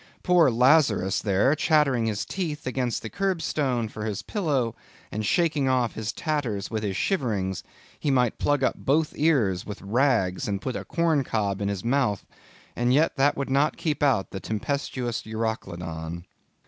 Poor Lazarus there, chattering his teeth against the curbstone for his pillow, and shaking off his tatters with his shiverings, he might plug up both ears with rags, and put a corn cob into his mouth, and yet that would not keep out the tempestuous Euroclydon.